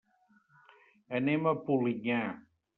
Anem a Polinyà.